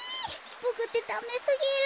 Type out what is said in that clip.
ボクってダメすぎる。